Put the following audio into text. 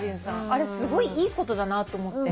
あれすごいいいことだなと思って。